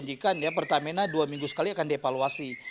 menjanjikan ya pertamena dua minggu sekali akan di evaluasi